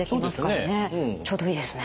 ちょうどいいですね。